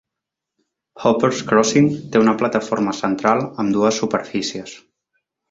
Hoppers Crossing té una plataforma central amb dues superfícies.